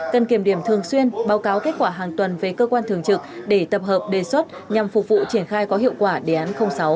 cần kiểm điểm thường xuyên báo cáo kết quả hàng tuần về cơ quan thường trực để tập hợp đề xuất nhằm phục vụ triển khai có hiệu quả đề án sáu